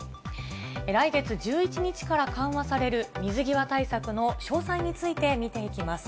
来月１１日から緩和される水際対策の詳細について見ていきます。